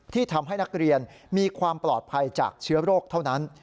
ที่ทำให้นักเรียนมีความปลอดภัยจากเชื้อโรคเท่านั้น